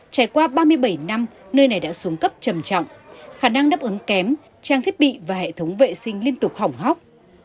trải qua ba mươi bảy năm nơi này đã xuống cấp trầm trọng khả năng đáp ứng kém trang thiết bị và hệ thống vệ sinh liên tục hỏng hóc